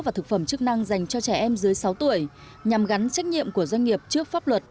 và thực phẩm chức năng dành cho trẻ em dưới sáu tuổi nhằm gắn trách nhiệm của doanh nghiệp trước pháp luật